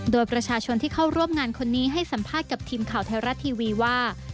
โดยประชาชนที่เข้าร่วมงานคนนี้ให้สัมภาษณ์กับทีมข่าวไทยรัฐทีวีว่า